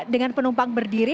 dengan penumpang berdiri